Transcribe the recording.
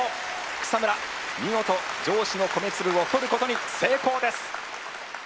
草村見事上司の米つぶを取ることに成功です。